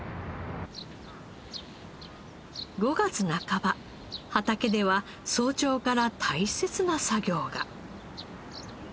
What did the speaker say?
５月半ば畑では早朝から大切な作業が。